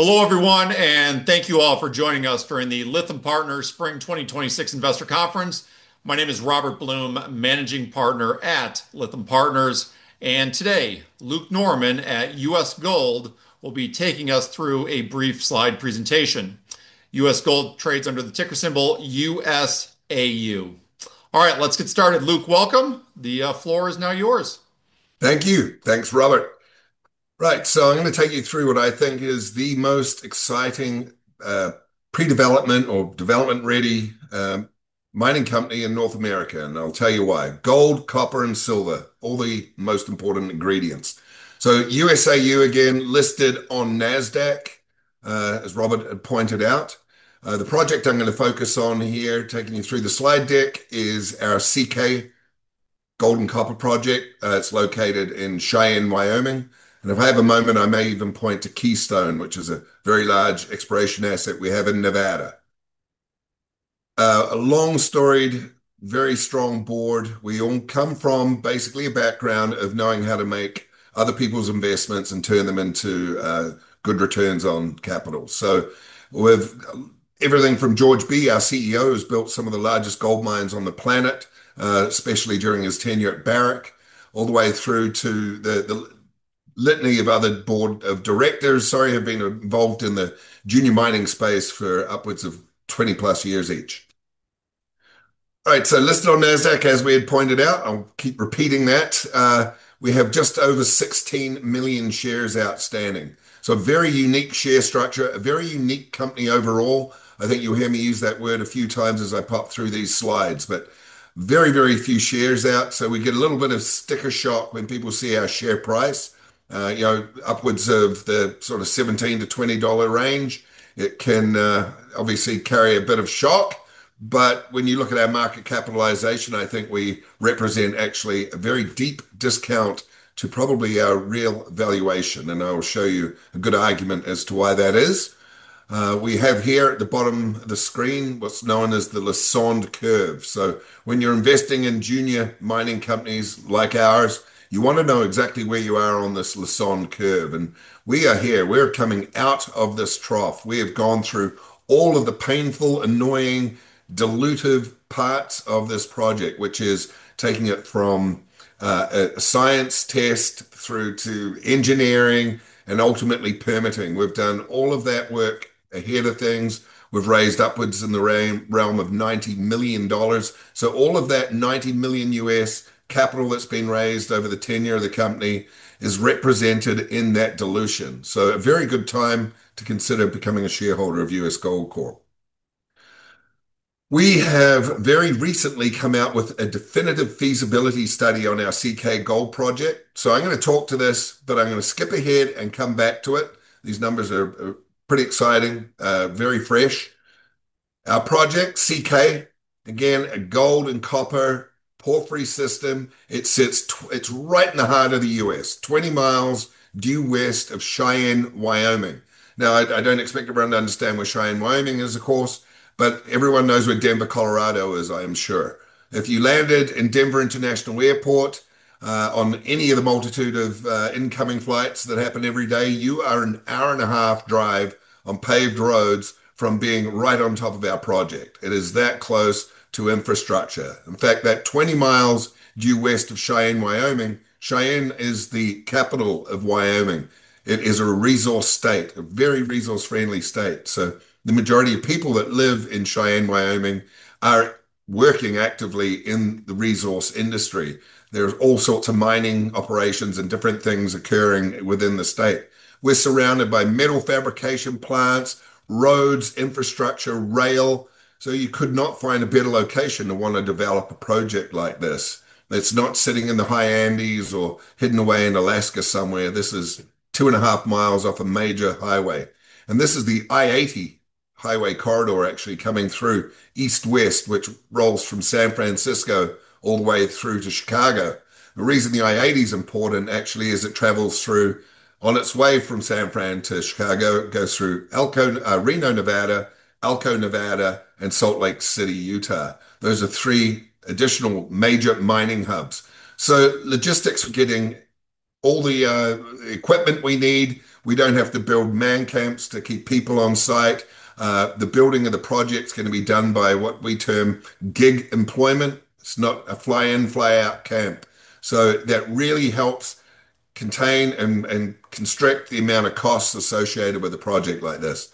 Hello, everyone, and thank you all for joining us for the Lytham Partners Spring 2026 Investor Conference. My name is Robert Blum, Managing Partner at Lytham Partners. Today, Luke Norman at US Gold will be taking us through a brief slide presentation. US Gold trades under the ticker symbol USAU. All right, let's get started. Luke, welcome. The floor is now yours. Thank you. Thanks, Robert. I'm going to take you through what I think is the most exciting pre-development or development-ready mining company in North America, and I'll tell you why. Gold, copper, and silver, all the most important ingredients. USAU, again, listed on Nasdaq, as Robert had pointed out. The project I'm going to focus on here, taking you through the slide deck, is our CK Gold and Copper Project. It's located in Cheyenne, Wyoming. If I have a moment, I may even point to Keystone, which is a very large exploration asset we have in Nevada. A long storied, very strong board. We all come from basically a background of knowing how to make other people's investments and turn them into good returns on capital. With everything from George Bee, our CEO, who's built some of the largest gold mines on the planet, especially during his tenure at Barrick, all the way through to the litany of other board of directors, sorry, have been involved in the junior mining space for upwards of 20+ years each. All right. Listed on Nasdaq, as we had pointed out. I'll keep repeating that. We have just over 16 million shares outstanding. A very unique share structure, a very unique company overall. I think you'll hear me use that word a few times as I pop through these slides, but very few shares out, so we get a little bit of sticker shock when people see our share price, upwards of the sort of $17-$20 range. It can obviously carry a bit of shock, when you look at our market capitalization, I think we represent actually a very deep discount to probably our real valuation, and I will show you a good argument as to why that is. We have here at the bottom of the screen what's known as the Lassonde Curve. When you're investing in junior mining companies like ours, you want to know exactly where you are on this Lassonde Curve, and we are here. We're coming out of this trough. We have gone through all of the painful, annoying, dilutive parts of this project, which is taking it from a science test through to engineering and ultimately permitting. We've done all of that work ahead of things. We've raised upwards in the realm of $90 million. All of that $90 million US capital that's been raised over the tenure of the company is represented in that dilution. A very good time to consider becoming a shareholder of US Gold Corp. We have very recently come out with a definitive feasibility study on our CK Gold Project. I'm going to talk to this, but I'm going to skip ahead and come back to it. These numbers are pretty exciting, very fresh. Our project, CK, again, a gold and copper porphyry system. It's right in the heart of the U.S., 20 miles due west of Cheyenne, Wyoming. Now, I don't expect everyone to understand where Cheyenne, Wyoming is, of course, but everyone knows where Denver, Colorado is, I am sure. If you landed in Denver International Airport, on any of the multitude of incoming flights that happen every day, you are an hour-and-a-half drive on paved roads from being right on top of our project. It is that close to infrastructure. In fact, that 20 miles due west of Cheyenne, Wyoming, Cheyenne is the capital of Wyoming. It is a resource state, a very resource-friendly state. The majority of people that live in Cheyenne, Wyoming are working actively in the resource industry. There are all sorts of mining operations and different things occurring within the state. We're surrounded by metal fabrication plants, roads, infrastructure, rail, so you could not find a better location to want to develop a project like this. It's not sitting in the high Andes or hidden away in Alaska somewhere. This is two and a half miles off a major highway. This is the. i-80 highway corridor actually coming through east-west, which rolls from San Francisco all the way through to Chicago. The reason the. i-80 's important actually is it travels through, on its way from San Fran to Chicago, goes through Reno, Nevada, Elko, Nevada, and Salt Lake City, Utah. Those are three additional major mining hubs. Logistics for getting all the equipment we need, we don't have to build man camps to keep people on site. The building of the project's going to be done by what we term gig employment. It's not a fly-in, fly-out camp. That really helps contain and constrict the amount of costs associated with a project like this.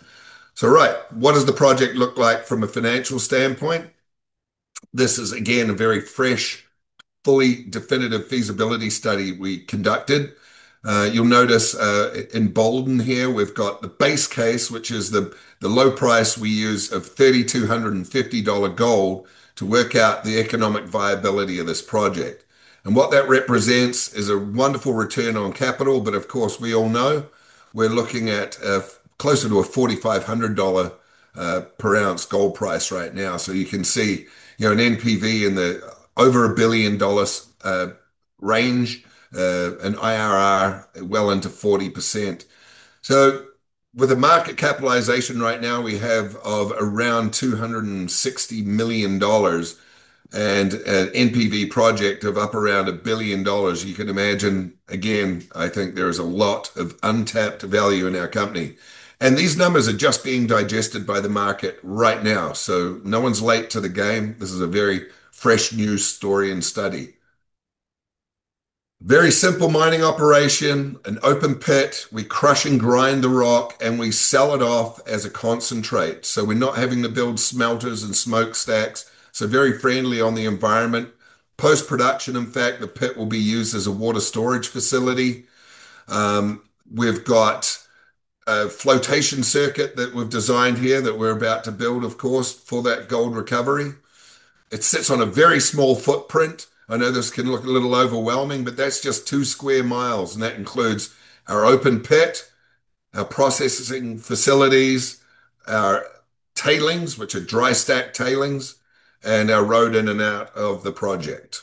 Right. What does the project look like from a financial standpoint? This is, again, a very fresh, fully definitive feasibility study we conducted. You'll notice in bold in here, we've got the base case, which is the low price we use of $3,250 gold to work out the economic viability of this project. What that represents is a wonderful return on capital, but of course, we all know we're looking at closer to a $4,500 per ounce gold price right now. You can see an NPV in the over a billion-dollar range, an IRR well into 40%. With the market capitalization right now we have of around $260 million, an NPV project of up around a billion dollars. You can imagine, again, I think there is a lot of untapped value in our company. These numbers are just being digested by the market right now, so no one's late to the game. This is a very fresh news story and study. Very simple mining operation, an open pit. We crush and grind the rock, and we sell it off as a concentrate. We're not having to build smelters and smoke stacks, so very friendly on the environment. Post-production, in fact, the pit will be used as a water storage facility. We've got a flotation circuit that we've designed here that we're about to build, of course, for that gold recovery. It sits on a very small footprint. I know this can look a little overwhelming, but that's just 2 sq mi, and that includes our open pit, our processing facilities, our tailings, which are dry stack tailings, and our road in and out of the project.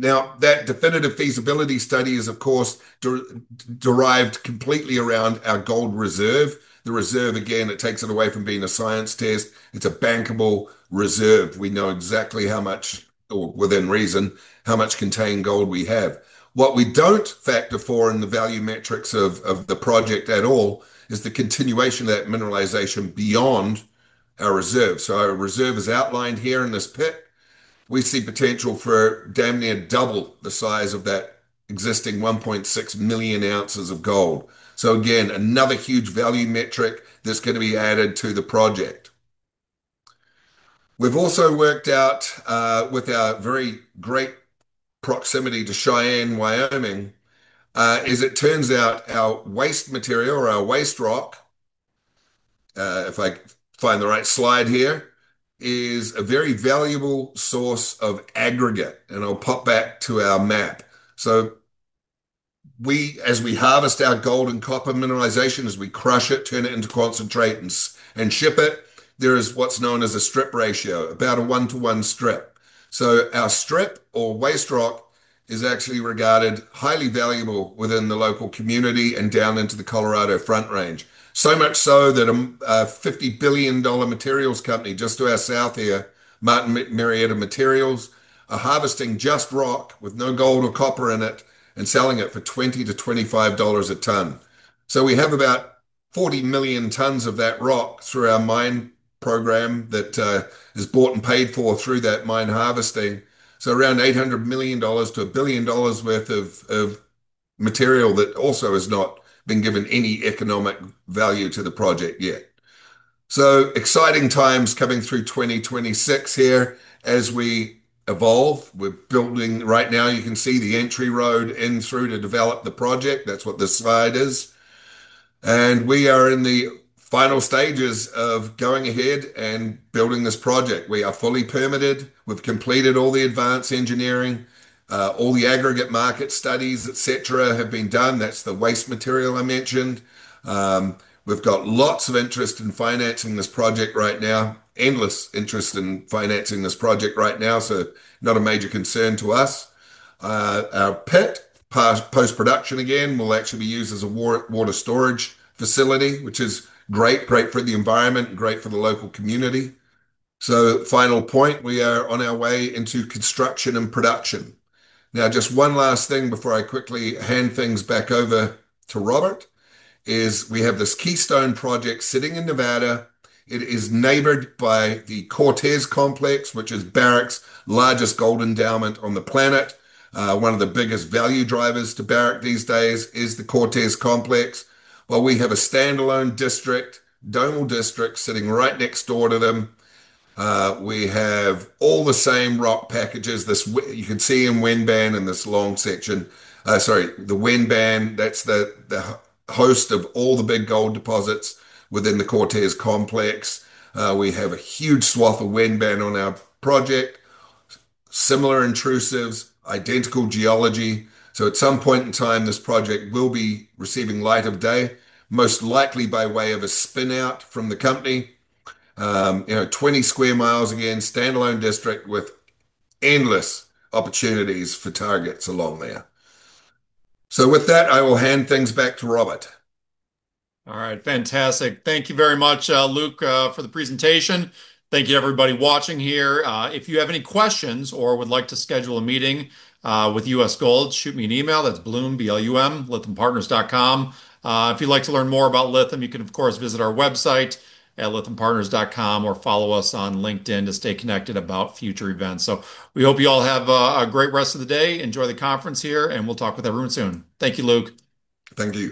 That definitive feasibility study is, of course, derived completely around our gold reserve. The reserve, again, it takes it away from being a science test. It's a bankable reserve. We know exactly how much, or within reason, how much contained gold we have. What we don't factor for in the value metrics of the project at all is the continuation of that mineralization beyond our reserve. Our reserve is outlined here in this pit. We see potential for damn near double the size of that existing 1.6 million ounces of gold. Again, another huge value metric that's going to be added to the project. We've also worked out, with our very great proximity to Cheyenne, Wyoming, as it turns out, our waste material or our waste rock, if I find the right slide here, is a very valuable source of aggregate. I'll pop back to our map. As we harvest our gold and copper mineralization, as we crush it, turn it into concentrate and ship it, there is what's known as a strip ratio, about a 1:1 strip. Our strip or waste rock is actually regarded highly valuable within the local community and down into the Colorado Front Range. Much so that a $50 billion materials company just to our south here, Martin Marietta Materials, are harvesting just rock with no gold or copper in it and selling it for $20-$25 a ton. We have about 40 million tons of that rock through our mine program that is bought and paid for through that mine harvesting. Around $800 million-$1 billion worth of material that also has not been given any economic value to the project yet. Exciting times coming through 2026 here as we evolve. We're building right now. You can see the entry road in through to develop the project. That's what this slide is. We are in the final stages of going ahead and building this project. We are fully permitted. We've completed all the advanced engineering. All the aggregate market studies, et cetera, have been done. That's the waste material I mentioned. We've got lots of interest in financing this project right now. Endless interest in financing this project right now, not a major concern to us. Our pit, post-production again, will actually be used as a water storage facility, which is great. Great for the environment and great for the local community. Final point, we are on our way into construction and production. Now, just one last thing before I quickly hand things back over to Robert, is we have this Keystone Project sitting in Nevada. It is neighbored by the Cortez Complex, which is Barrick's largest gold endowment on the planet. One of the biggest value drivers to Barrick these days is the Cortez Complex. Well, we have a standalone district, domal district, sitting right next door to them. We have all the same rock packages. You can see in Wenban Formation in this long section. Sorry, the Wenban, that's the host of all the big gold deposits within the Cortez Complex. We have a huge swath of Wenban on our project. Similar intrusives, identical geology, so at some point in time, this project will be receiving light of day, most likely by way of a spin-out from the company. 20 square miles, again, standalone district with endless opportunities for targets along there. With that, I will hand things back to Robert. All right. Fantastic. Thank you very much, Luke, for the presentation. Thank you everybody watching here. If you have any questions or would like to schedule a meeting with US Gold, shoot me an email. That's Blum, B-L-U-M, lythampartners.com. If you'd like to learn more about Lytham, you can of course, visit our website at lythampartners.com or follow us on LinkedIn to stay connected about future events. We hope you all have a great rest of the day. Enjoy the conference here, and we'll talk with everyone soon. Thank you, Luke. Thank you.